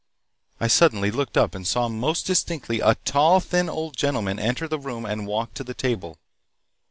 I suddenly looked up and saw most distinctly a tall, thin old gentleman enter the room and walk to the table.